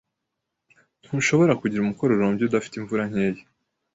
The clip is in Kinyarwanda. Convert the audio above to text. Ntushobora kugira umukororombya udafite imvura nkeya.